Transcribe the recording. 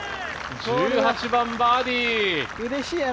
１８番、バーディー。